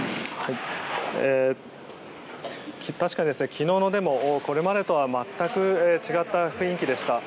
昨日のデモは、これまでとは全く違った雰囲気でした。